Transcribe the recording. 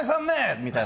みたいな。